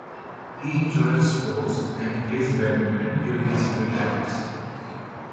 He enjoys sports and plays badminton during his free times.